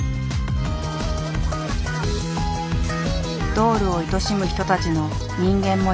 ドールをいとしむ人たちの人間模様。